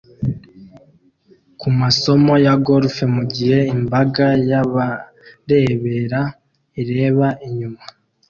kumasomo ya golf mugihe imbaga yabarebera ireba inyuma